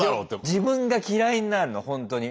自分が嫌いになるのほんとに。